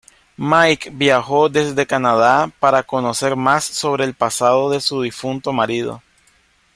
Mike viajó desde Canadá para conocer más sobre el pasado de su difunto marido.